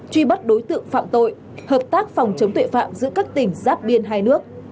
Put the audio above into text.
truy bắt đối tượng phạm tội hợp tác phòng chống tuệ phạm giữa các tỉnh giáp biên hai nước